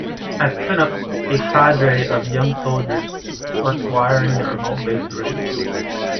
At Sinop, a cadre of young soldiers worked wiring the remote base for radio.